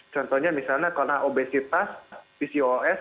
contohnya misalnya karena obesitas pcos